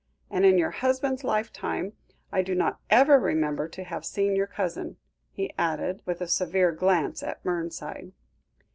And in your husband's lifetime, I do not ever remember to have seen your cousin," he added, with a severe glance at Mernside.